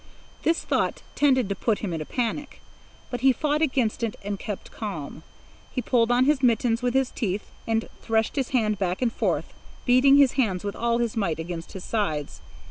This thought tended to put him in a panic, but he fought against it and kept calm. He pulled on his mittens with his teeth, and threshed his arms back and forth, beating his hands with all his might against his sides.